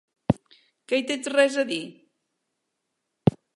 Que hi tens res a dir?